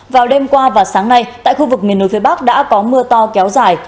vào đêm qua và sáng nay tại khu vực miền núi phía bắc đã có mưa to kéo dài